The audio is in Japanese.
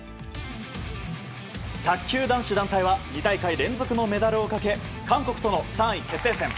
卓球男子団体は２大会連続のメダルをかけ韓国との３位決定戦。